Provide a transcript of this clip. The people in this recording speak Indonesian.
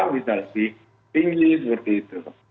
bisa berkurang bisa tinggi seperti itu